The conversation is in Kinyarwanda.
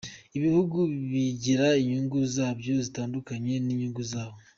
Ibihugu bigira inyungu zabyo zitandukanye n’inyungu zawe.